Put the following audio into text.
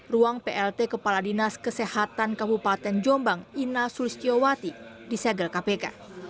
ruang plt kepala dinas kesehatan kabupaten jombang ina sulistyowati disegel kpk